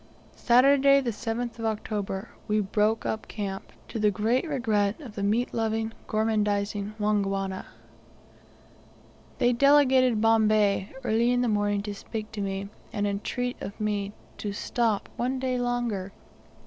Saturday the 7th day of October, we broke up camp, to the great regret of the meat loving, gormandizing Wangwana. They delegated Bombay early in the morning to speak to me, and entreat of me to stop one day longer.